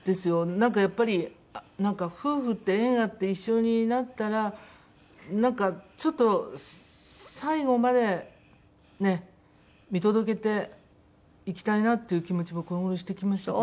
なんかやっぱり夫婦って縁あって一緒になったらなんかちょっと最後までね見届けていきたいなっていう気持ちもこの頃してきましたけど。